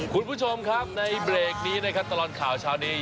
คุณผู้ชมครับในเบรกนี้นะครับตลอดข่าวเช้านี้